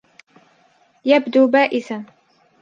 يبدو بائسا.